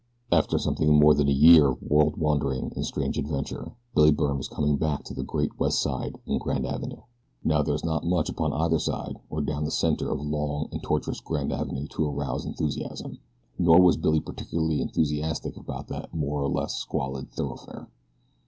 After something more than a year of world wandering and strange adventure Billy Byrne was coming back to the great West Side and Grand Avenue. Now there is not much upon either side or down the center of long and tortuous Grand Avenue to arouse enthusiasm, nor was Billy particularly enthusiastic about that more or less squalid thoroughfare.